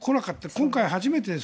今回、初めてで。